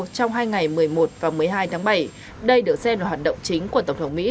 trong hai ngày một mươi một và một mươi hai tháng bảy đây được xem là hoạt động chính của tổng thống mỹ